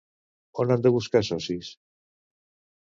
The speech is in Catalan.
On han de buscar socis?